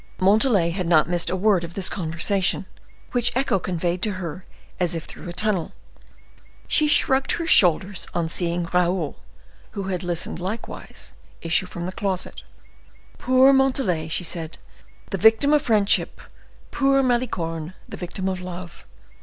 Montalais had not missed a word of this conversation, which echo conveyed to her as if through a tunnel. She shrugged her shoulders on seeing Raoul, who had listened likewise, issue from the closet. "Poor Montalais!" said she, "the victim of friendship! Poor Malicorne, the victim of love!"